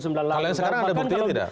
kalau yang sekarang ada buktinya tidak